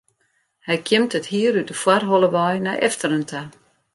Hy kjimt it hier út de foarholle wei nei efteren ta.